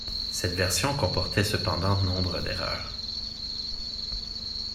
Cette version comportait cependant nombre d'erreurs.